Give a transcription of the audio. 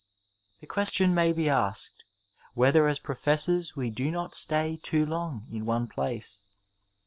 The question may be asked— whether as professors we do not stay too long in one place.